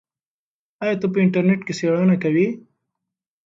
آیا ته په انټرنیټ کې څېړنه کوې؟